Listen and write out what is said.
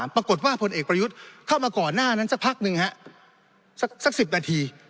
ปรากฏว่าพลเอกประยุทธ์เข้ามาก่อนหน้านั้นสักพักหนึ่งฮะสัก๑๐นาที